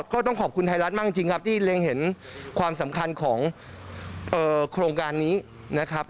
ก็ต้องขอบคุณไทยรัฐมากจริงครับที่เล็งเห็นความสำคัญของโครงการนี้นะครับ